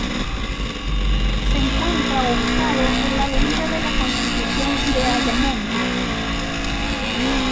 Se encuentra ubicado en la Avenida de la Constitución de Ayamonte.